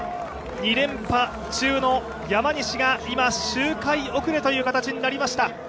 ２連覇中の山西が今、周回遅れということになりました。